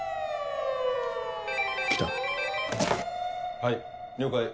はい了解。